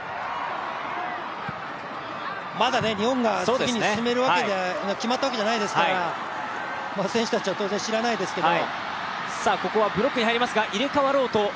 まだ日本が次に進めると決まったわけじゃないですから選手たちは当然知らないですけど。